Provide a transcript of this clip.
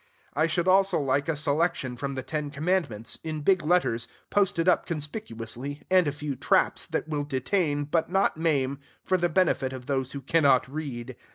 I should also like a selection from the ten commandments, in big letters, posted up conspicuously, and a few traps, that will detain, but not maim, for the benefit of those who cannot read.